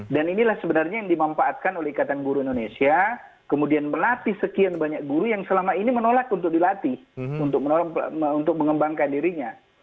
dan inilah sebenarnya yang dimanfaatkan oleh ikatan guru indonesia kemudian melatih sekian banyak guru yang selama ini menolak untuk dilatih untuk menolak untuk mengembangkan dirinya